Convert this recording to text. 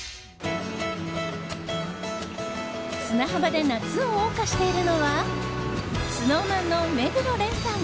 砂浜で夏を謳歌しているのはＳｎｏｗＭａｎの目黒蓮さん！